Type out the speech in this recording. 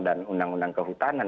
dan undang undang kehutanan